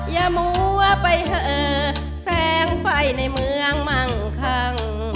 อย่ามัวไปเถอะแสงไฟในเมืองมั่งคัง